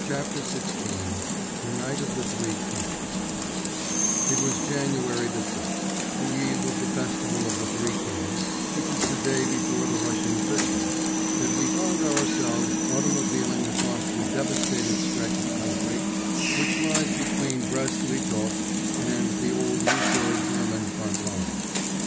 CHAPTER XVI—THE NIGHT OF THE THREE KINGS It was January the sixth, the eve of the Festival of the Three Kings, which is the day before the Russian Christmas, that we found ourselves automobiling across the devastated stretch of country which lies between Brest Litovsk and the old Russo German front line.